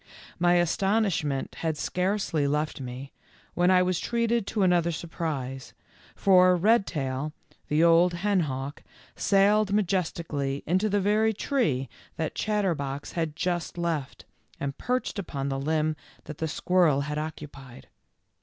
My astonishment had scarcely left me, when I was treated to another surprise, for Redtail, the old henhawk, sailed majestically into the very tree that Chatterbox had just left and perched upon the limb that the squirrel had occupied.